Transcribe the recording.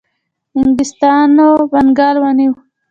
انګلیسانو بنګال ونیو.